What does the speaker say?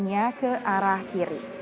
kemudian ke arah kiri